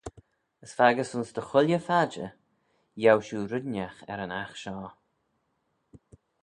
As faggys ayns dy chooilley phadjer, yiow shiu red ennagh er yn aght shoh.